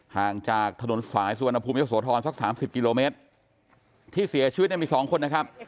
ห่างจากถนนสายสุวรรณภูมิเยอะโสธรสักสามสิบกิโลเมตรที่เสียชีวิตเนี่ยมีสองคนนะครับ